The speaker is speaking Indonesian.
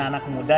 kalau kita lihat